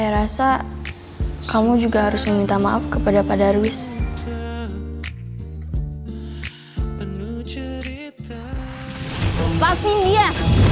lepas ini ya